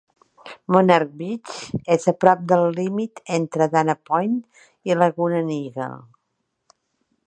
Monarch Beach és a prop del límit entre Dana Point i Laguna Niguel.